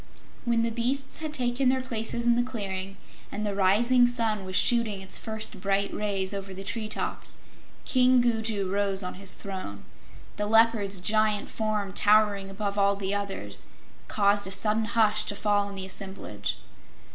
When the beasts had taken their places in the clearing and the rising sun was shooting its first bright rays over the treetops, King Gugu rose on his throne. The Leopard's giant form, towering above all the others, caused a sudden hush to fall on the assemblage.